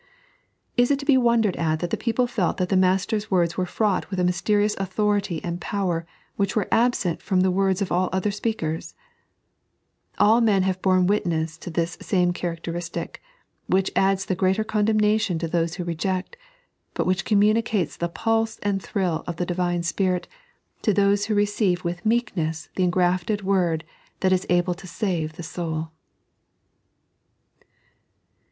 Is it to be wondered at that the people felt that the Master's words were fraught with a mysterious authority and power which were absent from the words of all other speakers 1 All men have borne witness to this same characteristic, which adds the greater condemnation to those who reject, but which communicates the pulse and thrill of the Divine Spirit to those who receive with meek ness the engrafted Word that is able to save the soul.